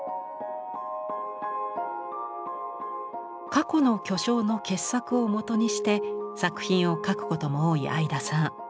過去の巨匠の傑作をもとにして作品を描くことも多い会田さん。